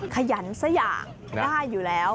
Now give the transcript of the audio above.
ขยันสักอย่างได้อยู่แล้ว